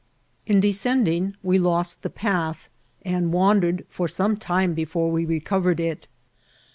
In descending we lost the path, and wandered for some time before we recovered it.